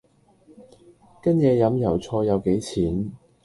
跟野飲油菜又幾錢